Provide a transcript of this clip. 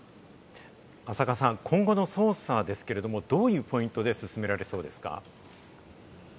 浅賀さん、今後の捜査ですけれども、どういうポイントで進められそうですか？